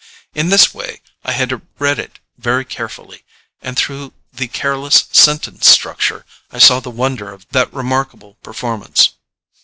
In this way I had read it very carefully, and through the careless sentence structure I saw the wonder of that remarkable performance.